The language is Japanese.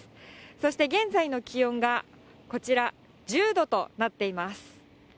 そして現在の気温がこちら、１０度となっています。